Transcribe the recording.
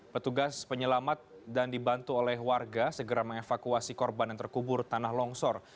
petugas penyelamat dan dibantu oleh warga segera mengevakuasi korban yang terkubur tanah longsor